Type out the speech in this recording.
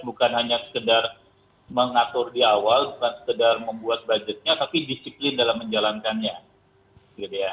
bukan hanya sekedar mengatur di awal bukan sekedar membuat budgetnya tapi disiplin dalam menjalankannya